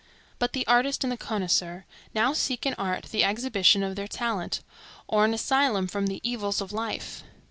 But the artist and the connoisseur now seek in art the exhibition of their talent, or an asylum from the evils of life.